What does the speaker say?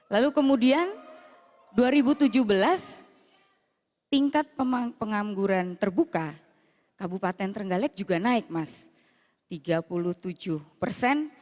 lalu kemudian dua ribu tujuh belas tingkat pengangguran terbuka kabupaten trenggalek juga naik mas tiga puluh tujuh persen